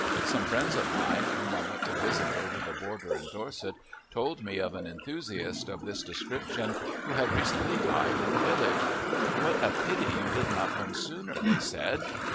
Some friends of mine whom I went to visit over the border in Dorset told me of an enthusiast of this description who had recently died in the village. "What a pity you did not come sooner," they said.